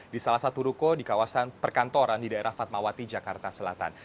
di salah satu ruko di kawasan perkantoran di daerah fatmawati jakarta selatan